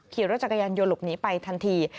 เขียนรถจักรยานโยรบนี้ไปทันที